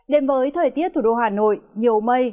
đến với thời tiết thủ đô hà nội nhiều mây